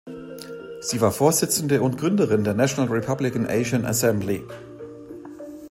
Sie war Vorsitzende und Gründerin der National Republican Asian Assembly.